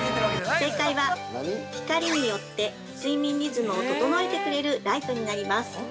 ◆正解は、光によって睡眠リズムを整えてくれるライトになります。